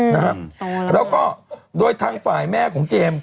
นะฮะแล้วก็โดยทางฝ่ายแม่ของเจมส์